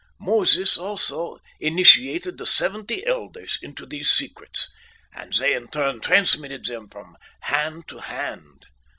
Moses also initiated the Seventy Elders into these secrets, and they in turn transmitted them from hand to hand.